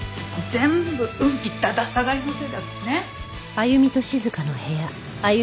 全部運気だだ下がりのせいだからねっ！